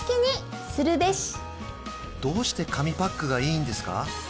どうして紙パックがいいんですか？